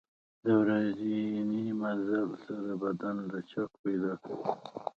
د ورځني مزل سره بدن لچک پیدا کوي.